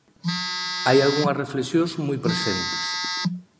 Hai algunhas reflexións moi presentes.